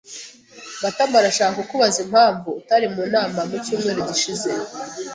Matama arashaka kukubaza impamvu utari mu nama mu cyumweru gishize.